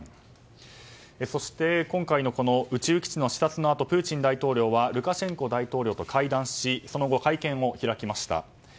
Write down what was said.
そして今回の宇宙基地の視察のあとプーチン大統領はルカシェンコ大統領と会談しその後、会見を開きました。